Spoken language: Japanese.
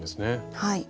はい。